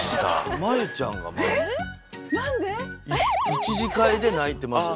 １次会で泣いてました。